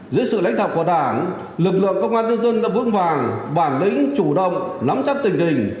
dưới sự lãnh đạo của đảng lực lượng công an nhân dân đã vững vàng bản lĩnh chủ động nắm chắc tình hình